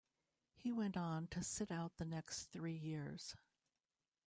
He went on to sit out the next three years.